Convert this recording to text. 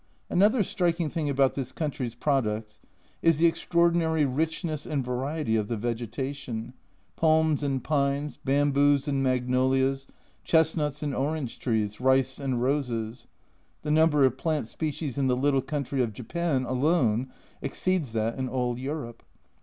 Another striking thing about this country's pro ducts is the extraordinary richness and variety of the vegetation, palms and pines, bamboos and mag nolias, chestnuts and orange trees, rice and roses ; the number of plant species in the little country of Japan alone exceeds that in all Europe.